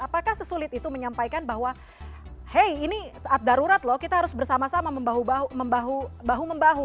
apakah sesulit itu menyampaikan bahwa hey ini saat darurat loh kita harus bersama sama bahu membahu